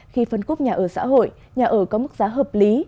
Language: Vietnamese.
khi phân khúc nhà ở xã hội nhà ở có mức giá hợp lý